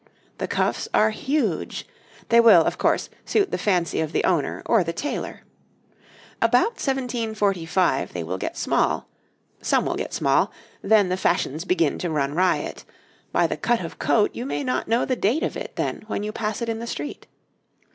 The cuffs are huge; they will, of course, suit the fancy of the owner, or the tailor. About 1745 they will get small some will get small; then the fashions begin to run riot; by the cut of coat you may not know the date of it, then, when you pass it in the street.